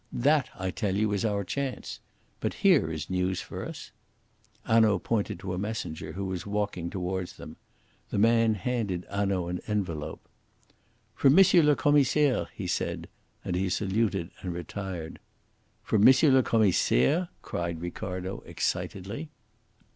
That, I tell you, is our chance. But here is news for us." Hanaud pointed to a messenger who was walking towards them. The man handed Hanaud an envelope. "From M. le Commissaire," he said; and he saluted and retired. "From M. le Commissaire?" cried Ricardo excitedly.